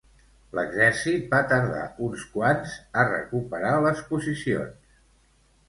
L'exèrcit va tardar uns quants a recuperar les posicions.